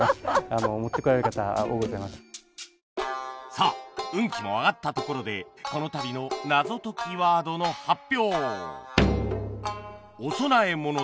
さぁ運気も上がったところでこの旅の謎解きワードの発表！